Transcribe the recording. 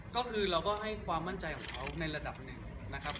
ก็คือเราก็ให้ความมั่นใจของเขาในระดับหนึ่งนะครับ